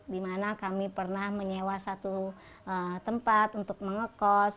dimana kami pernah menyewa satu tempat untuk mengekos